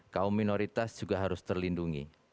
kaum minoritas juga harus terlindungi